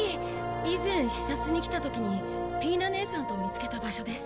以前視察に来た時にピイナ姉さんと見つけた場所です。